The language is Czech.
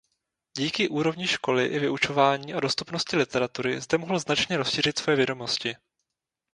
Díky úrovni školy i vyučování a dostupnosti literatury zde mohl značně rozšířit svoje vědomosti.